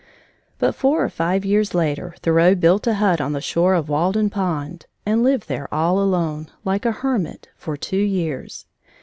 But four or five years later Thoreau built a hut on the shore of Walden Pond and lived there all alone, like a hermit, for two years.